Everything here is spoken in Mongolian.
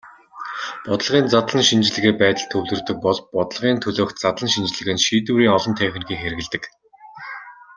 Бодлогын задлан шинжилгээ байдалд төвлөрдөг бол бодлогын төлөөх задлан шинжилгээнд шийдвэрийн олон техникийг хэрэглэдэг.